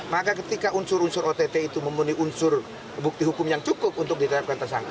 maka ketika unsur unsur ott itu memenuhi unsur bukti hukum yang cukup